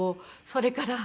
それから。